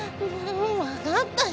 分かったよ。